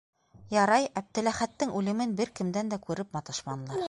Ярай, Әптеләхәттең үлемен бер кемдән дә күреп маташманылар.